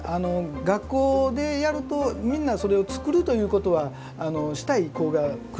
学校でやるとみんなそれを作るということはしたい子が来るんですね。